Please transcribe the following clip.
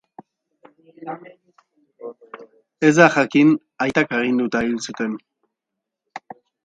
Ez da jakin aitak aginduta hil zuten.